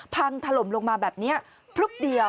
พังถล่มลงมาแบบนี้พลึบเดียว